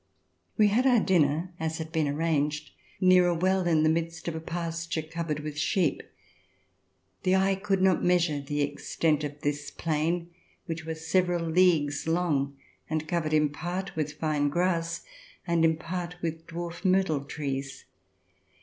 We had our dinner, as had been arranged, near a well in the midst of a pasture covered with sheep. The eye could not measure the extent of this plain, which was several leagues long, and covered in part with fine grass, and in part with dwarf myrtle trees.